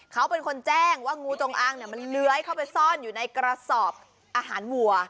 เขาเป็นคนแจ้งว่างูจงอ้างมันเลื้อยเข้าไปซ่อนอยู่ในกระสอบอาหารวัว